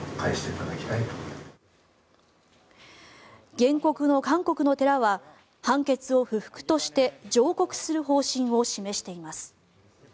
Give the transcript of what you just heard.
原告の韓国の寺は判決を不服として上告する方針を示しています。